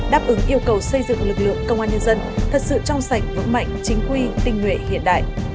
đáp ứng yêu cầu xây dựng lực lượng công an nhân dân thật sự trong sạch vững mạnh chính quy tinh nguyện hiện đại